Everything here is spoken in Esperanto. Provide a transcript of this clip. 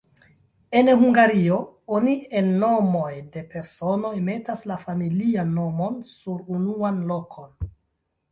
En Hungario, oni en nomoj de personoj metas la familian nomon sur unuan lokon.